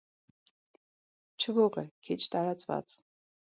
Չվող է, քիչ տարածված։